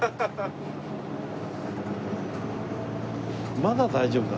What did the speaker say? まだ大丈夫だな。